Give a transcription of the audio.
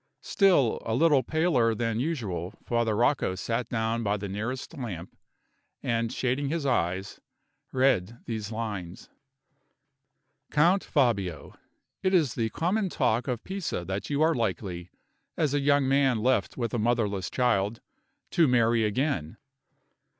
Still a little paler than usual, Father Rocco sat down by the nearest lamp, and shading his eyes, read these lines: "COUNT FABIO It is the common talk of Pisa that you are likely, as a young man left with a motherless child, to marry again.